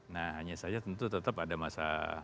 nah hanya saja tentu tetap ada masalah